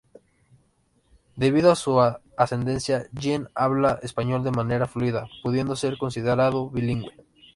Debido a su ascendencia, Jean habla español de manera fluida, pudiendo ser considerado bilingüe.